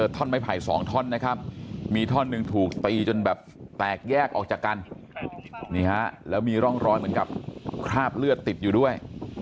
แตกแยกออกจากกันแล้วมีร่องรอยเหมือนกับคราบเลือดติดอยู่ด้วย